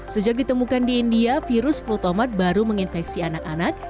sejak ditemukan di india virus flutomat baru menginfeksi anak anak